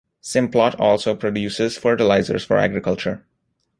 Simplot also produces fertilizers for agriculture.